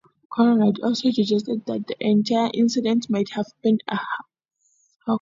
Conrad also suggested that the entire incident might have been a hoax.